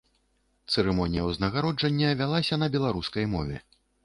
Цырымонія ўзнагароджання вялася на беларускай мове.